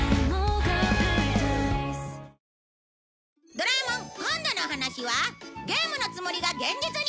『ドラえもん』今度のお話はゲームのつもりが現実に！